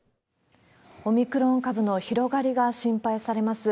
オミクロン株の広がりが心配されます。